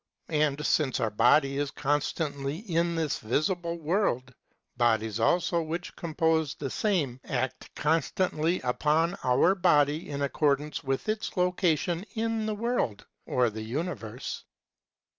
And since our body is constantly in this visible world, bodies also which compose the same (§ 119, Cosmol.) act constantly upon our body in accordance with its location in the world, or the universe.